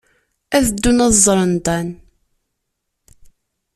Ad ddun ad ẓren Dan.